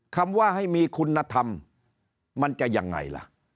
คำว่าให้มีคุณธรรมมันจะยังไงล่ะ